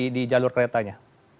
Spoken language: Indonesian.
di jalur keretanya